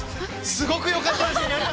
すごくよかったです！